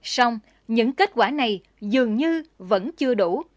xong những kết quả này dường như vẫn chưa đủ